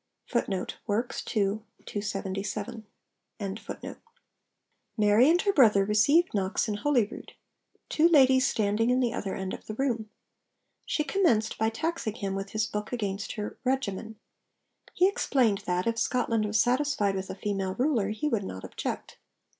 Mary and her brother received Knox in Holyrood, two ladies standing in the other end of the room. She commenced by taxing him with his book against her 'regimen.' He explained that, if Scotland was satisfied with a female ruler, he would not object.